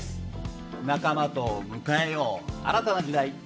仲間と迎えよう新たな時代！